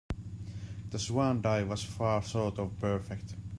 The swan dive was far short of perfect.